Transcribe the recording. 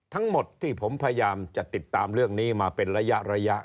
ทั้งหมดที่ผมพยายามจะติดตามเรื่องนี้มาเป็นระยะ